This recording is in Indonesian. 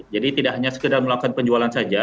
jadi tidak hanya sekedar melakukan penjualan saja